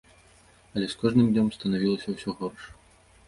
Але з кожным днём станавілася ўсё горш.